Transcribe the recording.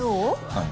はい。